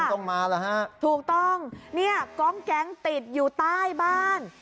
ต้องมาแล้วฮะถูกต้องเนี่ยกองแก๊งติดอยู่ใต้บ้าน